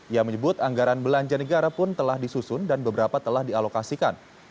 ia menyebut anggaran belanja negara pun telah disusun dan beberapa telah dialokasikan